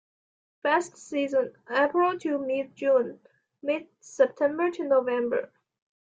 Best Season: April to Mid-June; Mid-September to November.